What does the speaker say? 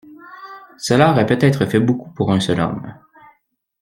Cela aurait peut-être fait beaucoup pour un seul homme.